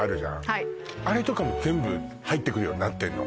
はいあれとかも全部入ってくるようになってんの？